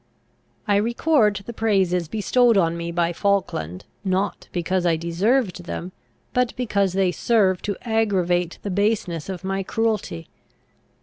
I record the praises bestowed on me by Falkland, not because I deserved them, but because they serve to aggravate the baseness of my cruelty.